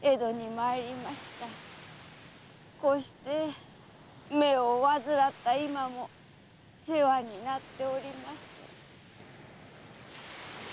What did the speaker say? こうして目を患った今も世話になっております。